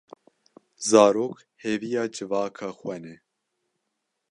Zarok hêviya civaka xwe ne.